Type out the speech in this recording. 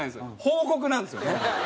報告なんですよね。